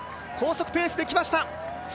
高速ペースできました！